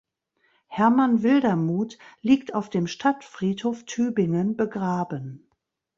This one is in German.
Hermann Wildermuth liegt auf dem Stadtfriedhof Tübingen begraben.